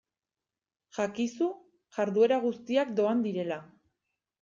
Jakizu jarduera guztiak doan direla.